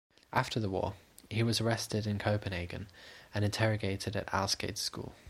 After the war, he was arrested in Copenhagen and interrogated at Alsgades School.